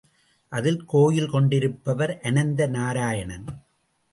அதில் கோயில் கொண்டிருப்பார் அனந்த நாராயணன்.